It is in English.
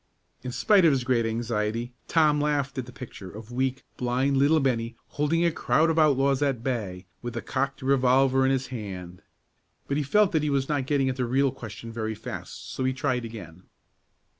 In spite of his great anxiety, Tom laughed at the picture of weak, blind little Bennie holding a crowd of outlaws at bay, with a cocked revolver in his hand. But he felt that he was not getting at the real question very fast, so he tried again.